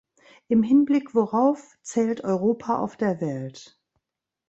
Im Hinblick worauf zählt Europa auf der Welt?